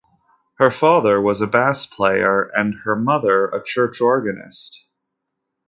Her father was a bass player, and her mother a church organist.